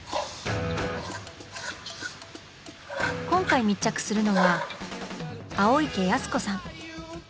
今回密着するのは青池保子さん。